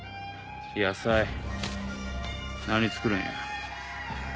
野菜何作るんや？